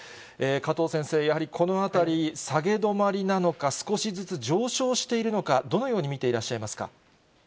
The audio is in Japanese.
加藤先生、やはりこのあたり、下げ止まりなのか、少しずつ上昇しているのか、どのように見ていらっしゃいますか。